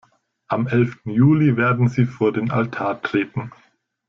Am elften Juli werden sie vor den Altar treten.